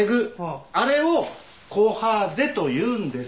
あれをコハゼと言うんです。